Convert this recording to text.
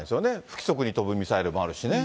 不規則に飛ぶミサイルもあるしね。